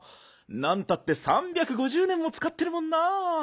なんたって３５０年もつかってるもんな。